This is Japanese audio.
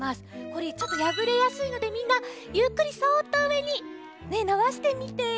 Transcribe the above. これちょっとやぶれやすいのでみんなゆっくりそっとうえにのばしてみて。